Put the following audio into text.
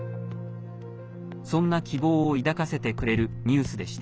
そんな希望を抱かせてくれるニュースでした。